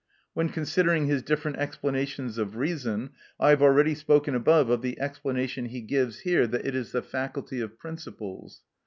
When considering his different explanations of reason, I have already spoken above of the explanation he gives here that "it is the faculty of principles."